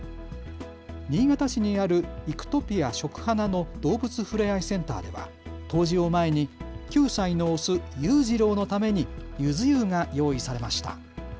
新潟市にある、いくとぴあ食花の動物ふれあいセンターでは冬至を前に９歳のオス、ゆうじろうのためにゆず湯が用意されました。